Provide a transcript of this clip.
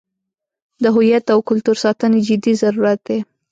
د هویت او کلتور ساتنې جدي ضرورت دی.